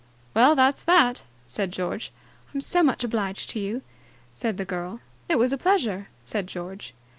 "Well, that's that!" said George. "I'm so much obliged," said the girl. "It was a pleasure," said George.